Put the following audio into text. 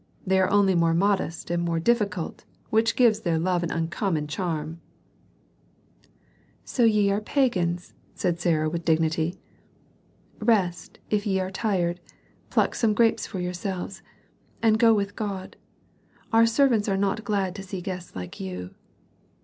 They are only more modest and more difficult, which gives their love an uncommon charm." "So ye are pagans," said Sarah, with dignity. "Rest, if ye are tired, pluck some grapes for yourselves, and go with God. Our servants are not glad to see guests like you."